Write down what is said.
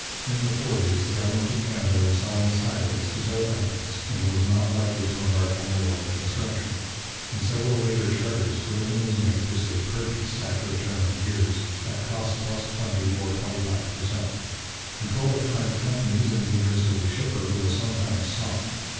In the forties the government of Canada was selling its highways to toll companies, and was not likely to embark on railway construction. In several later charters provision was made for state purchase, after a term of years, at cost plus twenty or twenty five per cent. Control of private companies in the interest of the shipper was sometimes sought.